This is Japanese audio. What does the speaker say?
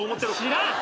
知らん。